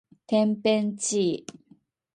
てんぺんちい